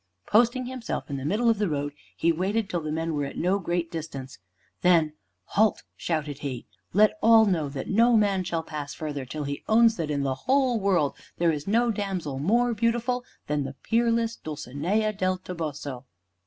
Posting himself in the middle of the road, he waited till the men were at no great distance. Then, "Halt!" shouted he. "Let all know that no man shall pass further till he owns that in the whole world there is no damsel more beautiful than the peerless Dulcinea del Toboso."